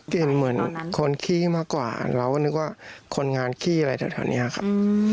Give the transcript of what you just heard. เห็นเหมือนคนขี้มากกว่าเราก็นึกว่าคนงานขี้อะไรแถวนี้ครับ